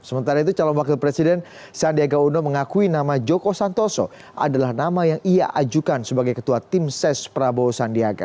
sementara itu calon wakil presiden sandiaga uno mengakui nama joko santoso adalah nama yang ia ajukan sebagai ketua tim ses prabowo sandiaga